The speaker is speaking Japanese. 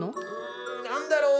ん何だろう？